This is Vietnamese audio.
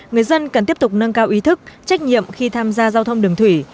người dân cần tiếp tục nâng cao ý thức trách nhiệm khi tham gia giao thông đường thủy